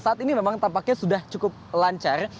saat ini memang tampaknya sudah cukup lancar